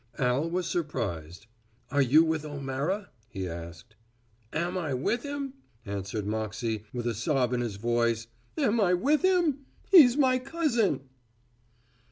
Al was surprised. "Are you with O'Mara?" he asked. "Am I with him?" answered Moxey with a sob in his voice; "am I with him he's me cousin."